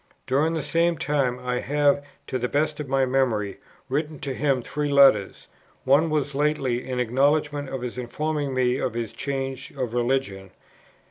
During the same time I have, to the best of my memory, written to him three letters. One was lately, in acknowledgment of his informing me of his change of religion.